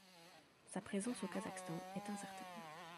Sa présence au Kazakhstan est incertaine.